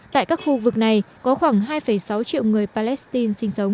tại các khu vực này có khoảng hai sáu triệu người palestine sinh sống